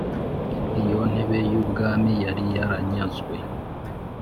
Iyo ntebe y ubwami yari yaranyazwe